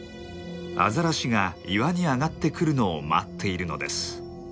アザラシが岩に上がってくるのを待っているのです。